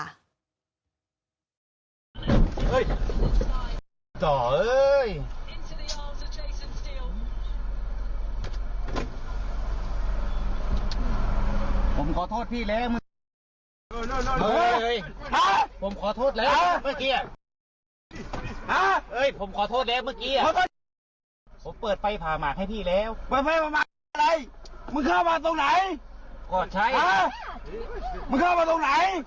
อ้าออมึงเข้ามาตรงไหน